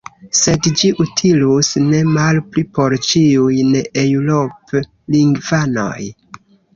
Sed ĝi utilus ne malpli por ĉiuj neeŭrop-lingvanoj.